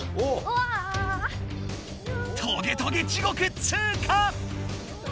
トゲトゲ地獄通過！